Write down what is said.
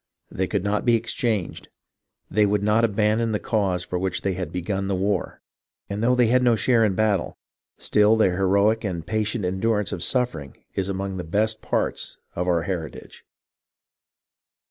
They could not be exchanged, they would not abandon the cause for which they had begun the war, and though they had no share in battle, still their heroic and patient endurance of suffering is among the best parts of our heritage.